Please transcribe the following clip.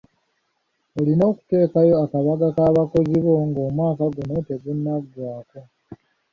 Olina okuteekayo akabaga k'abakozi bo ng'omwaka guno tegunnagwako.